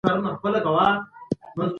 خو د مذهبي او فرهنګي خنډونو له امله